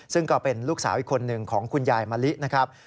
ซึ่งก็เป็นลูกสาวอีกคนหนึ่งของคุณยายมะลินะครับ